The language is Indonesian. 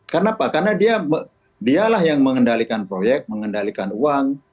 kenapa karena dialah yang mengendalikan proyek mengendalikan uang